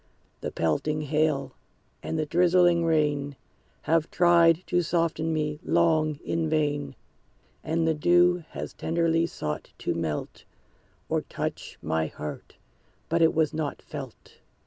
The pelting hail and the drizzling rain Have tried to soften me, long, in vain; And the dew has tenderly sought to melt, Or touch my heart; but it was not felt.